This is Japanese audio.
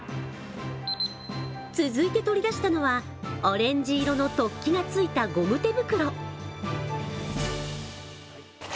続いて取り出したのは、オレンジ色の突起がついたゴム手袋。